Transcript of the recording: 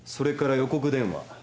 「予告電話」？